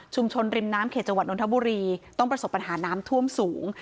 ริมน้ำเขตจังหวัดนทบุรีต้องประสบปัญหาน้ำท่วมสูง